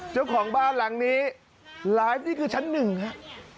เจ้าของบ้านหลังนี้ไลฟ์นี่คือชั้นหนึ่งครับ